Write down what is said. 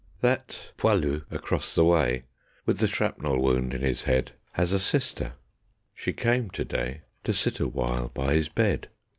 That 'poilu' across the way, With the shrapnel wound in his head, Has a sister: she came to day To sit awhile by his bed.